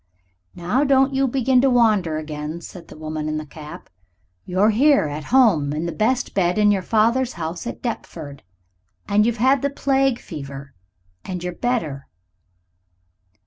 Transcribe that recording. "Now don't you begin to wander again," said the woman in the cap. "You're here at home in the best bed in your father's house at Deptford. And you've had the plague fever. And you're better.